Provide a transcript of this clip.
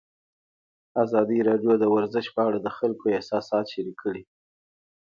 ازادي راډیو د ورزش په اړه د خلکو احساسات شریک کړي.